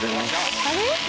あれ？